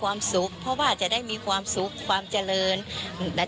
ว่าปีฝึงต้องทำบวนแบบนี้